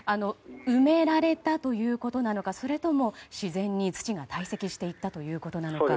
埋められたということなのかそれとも自然に土が堆積していったということなのか。